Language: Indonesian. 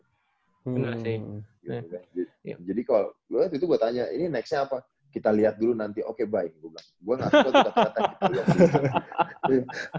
beneran sih jadi kalau itu gue tanya ini nextnya apa kita lihat dulu nanti oke baik gue bilang gue gak tau gue tetap kata gitu